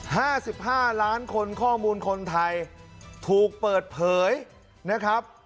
ห้าสิบห้าล้านคนข้อมูลคนไทยถูกเปิดเผยนะครับ